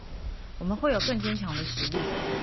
我們會有更堅強的實力